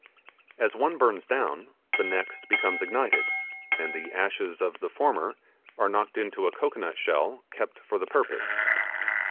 As one burns down, the next becomes ignited, and the ashes of the former are knocked into a cocoanut shell kept for the purpose.